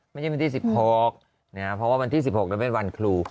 ไม่ใช่วันที่๑๖เพราะว่าวันที่๑๖จะเป็นวันครู